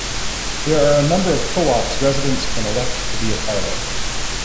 There are a number of co-ops residents can elect to be a part of.